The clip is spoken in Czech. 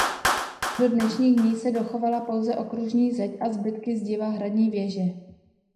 Do dnešních dní se dochovala pouze okružní zeď a zbytky zdiva hradní věže.